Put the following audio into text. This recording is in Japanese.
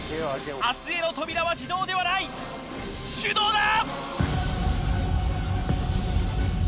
明日への扉は自動ではない手動だ！